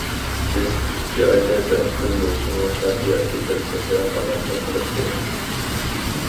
بىز ئىككى ئايدا بىر قېتىم بولسىمۇ خەت ياكى تېلېفوندا ئالاقە قىلىپ تۇرىمىز.